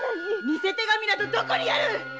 偽手紙などどこにある！